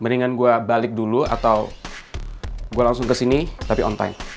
mendingan gue balik dulu atau gue langsung kesini tapi on time